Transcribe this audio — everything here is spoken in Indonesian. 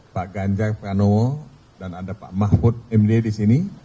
pak ganjar pranowo dan ada pak mahfud md di sini